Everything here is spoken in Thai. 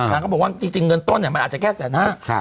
นางก็บอกว่าจริงเงินต้นเนี่ยมันอาจจะแค่แสนห้า